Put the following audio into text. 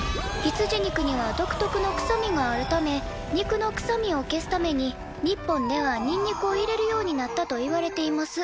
羊肉には独特のくさみがあるため肉のくさみを消すために日本ではにんにくを入れるようになったといわれています」。